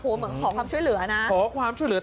เหมือนขอความช่วยเหลือนะขอความช่วยเหลือ